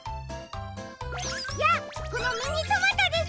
じゃあこのミニトマトです。